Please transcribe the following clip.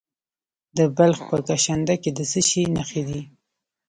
د بلخ په کشنده کې د څه شي نښې دي؟